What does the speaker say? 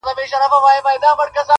تا مي غریبي راته پیغور کړله -